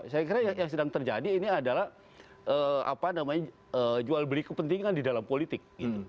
saya kira yang sedang terjadi ini adalah jual beli kepentingan di dalam politik